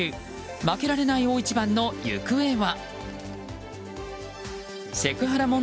負けられない大一番の行方は。